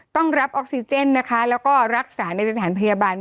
ต้องรับออกซิเจนนะคะแล้วก็รักษาในสถานพยาบาล